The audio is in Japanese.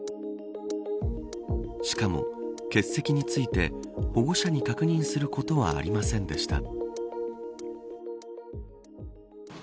しかも、欠席について保護者に確認することはありませんでした。